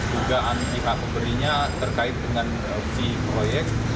juga anti hpbd nya terkait dengan v proyek